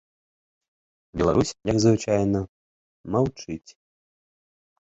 Беларусь, як звычайна, маўчыць.